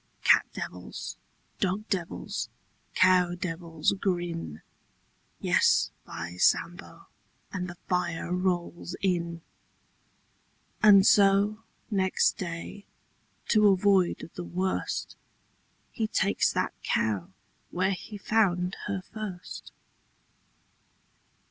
Cat devils, dog devils, cow devils grin — Yes, by Sambo, And the fire rolls in. 870911 100 VACHEL LINDSAY And so, next day, to avoid the worst — He ta'kes that cow Where he found her first.